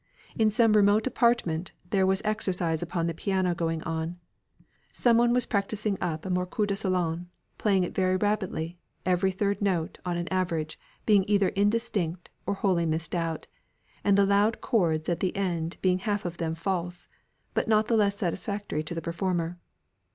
In some remote apartment, there was exercise upon the piano going on. Someone was practising up a morceau de salon, playing it very rapidly, every third note, on an average, being either indistinct, or wholly missed out, and the loud chords at the end being half of them false, but not the less satisfactory to the performer.